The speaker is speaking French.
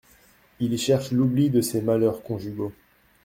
Il y cherche l’oubli de ses malheurs conjugaux.